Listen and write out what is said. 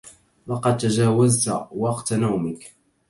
لقد تجاوزت وقت نومك.